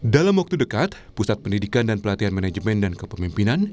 dalam waktu dekat pusat pendidikan dan pelatihan manajemen dan kepemimpinan